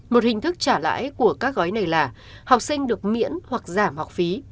một hình thức trả lãi của các gói này là học sinh được miễn hoặc giảm học phí